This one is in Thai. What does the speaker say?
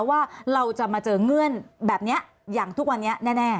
ว่าเราจะมาเจอเงื่อนแบบนี้อย่างทุกวันนี้แน่